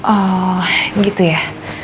oh gitu ya